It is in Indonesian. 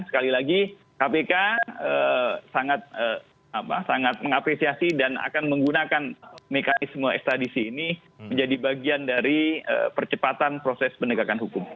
sekali lagi kpk sangat mengapresiasi dan akan menggunakan mekanisme ekstradisi ini menjadi bagian dari percepatan proses penegakan hukum